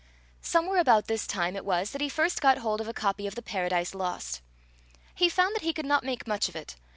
Somewhere about this time it was that he first got hold of a copy of the Paradise Lost. He found that he could not make much of it.